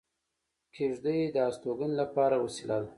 کېږدۍ د استوګنې لپاره وسیله ده